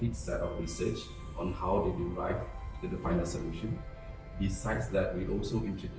jadi ketika mereka menulis kerja mereka mereka harus menulis setiap penelitian tentang bagaimana mereka mencari penyelesaian terakhir